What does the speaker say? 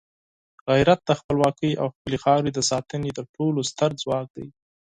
غیرت د خپلواکۍ او خپلې خاورې د ساتنې تر ټولو ستر ځواک دی.